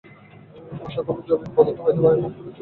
আত্মা কোন যৌগিক পদার্থ হইতে পারে না।